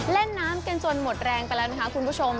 เล่นน้ำกันจนหมดแรงไปแล้วนะคะคุณผู้ชม